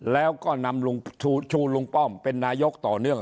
แล้วก็นำลุงชูลุงป้อมเป็นนายกต่อเนื่อง